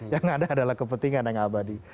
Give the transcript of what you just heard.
yang ada adalah kepentingan yang abadi